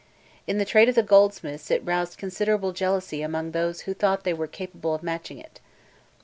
In the trade of the goldsmiths it roused considerable jealousy among those who thought that they were capable of matching it.